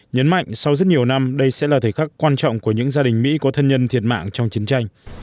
nhấn mạnh sau rất nhiều năm đây sẽ là thời khắc quan trọng của những gia đình mỹ có thân nhân thiệt mạng trong chiến tranh